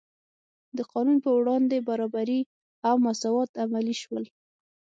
د قانون په وړاندې برابري او مساوات عملي شول.